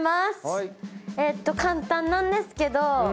簡単なんですけど。